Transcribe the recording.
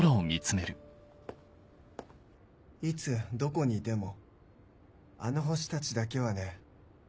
いつどこにいてもあの星たちだけはね。